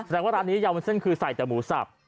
แสดงว่าอันนี้ยามูนเส้นคือใส่แต่หมูสับ